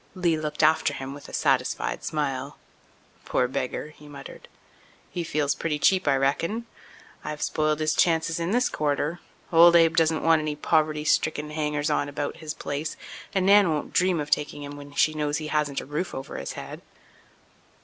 Lee looked after him with a satisfied smile. "Poor beggar!" he muttered. "He feels pretty cheap I reckon. I've spoiled his chances in this quarter. Old Abe doesn't want any poverty stricken hangers on about his place and Nan won't dream of taking him when she knows he hasn't a roof over his head."